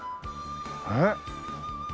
えっ。